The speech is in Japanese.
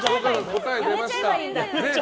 答え出ました。